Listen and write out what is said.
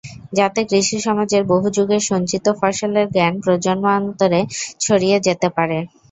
যাতে কৃষিসমাজের বহু যুগের সঞ্চিত ফসলের জ্ঞান প্রজন্মান্তরে ছড়িয়ে যেতে পারে।